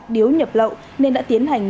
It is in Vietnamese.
điếu nhập lậu nên đã tiến hành